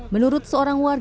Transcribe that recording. menurut seorang penyisiran